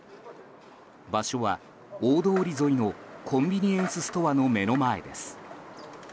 場所は大通り沿いのコンビニエンスストアの目の前です。